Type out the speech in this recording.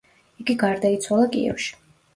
იგი გარდაიცვალა კიევში.